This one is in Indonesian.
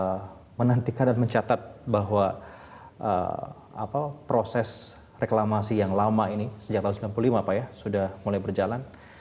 saya pikir publik juga mungkin akan menantikan dan mencatat bahwa proses reklamasi yang lama ini sejak seribu sembilan ratus sembilan puluh lima pak ya sudah mulai berjalan